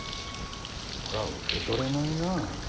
これは受け取れないな。